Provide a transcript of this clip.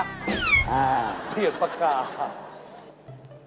เงียบปากกา